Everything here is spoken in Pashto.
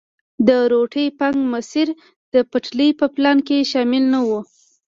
د روټي فنک مسیر د پټلۍ په پلان کې شامل نه وو.